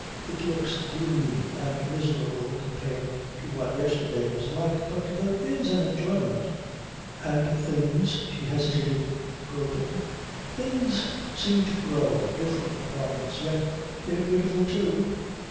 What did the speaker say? It looks gloomy and miserable compared to what yesterday was like, but there is an enjoyment. And things" she hesitated, groping "things seem to grow. Different ones. Yet they're beautiful, too."